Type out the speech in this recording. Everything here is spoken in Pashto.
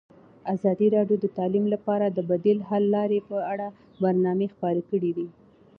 ازادي راډیو د تعلیم لپاره د بدیل حل لارې په اړه برنامه خپاره کړې.